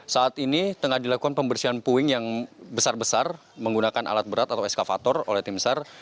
saat ini tengah dilakukan pembersihan puing yang besar besar menggunakan alat berat atau eskavator oleh tim sar